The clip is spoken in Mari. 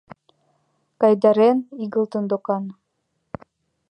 Кайдарен, игылтын докан.